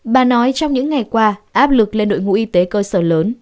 bà nói trong những ngày qua áp lực lên đội ngũ y tế cơ sở lớn